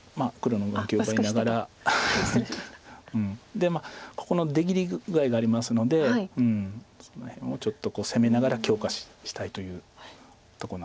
でここの出切り具合がありますのでその辺をちょっと攻めながら強化したいというとこなんですけれど。